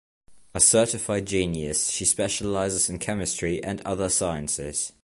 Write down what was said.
A certified genius, she specializes in chemistry and other sciences.